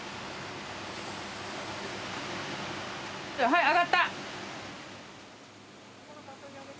はい揚がった。